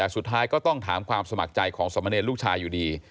สุดท้ายก็ต้องถามความสมัครใจของสมเนรลูกชายอยู่ดี